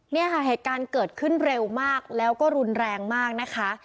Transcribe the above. เนี่ยค่ะเหตุการณ์เกิดขึ้นเร็วมากแล้วก็รุนแรงมากนะคะ